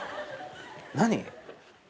何？